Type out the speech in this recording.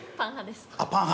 あ、パン派。